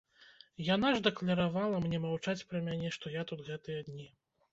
Яна ж дакляравала мне маўчаць пра мяне, што я тут гэтыя дні.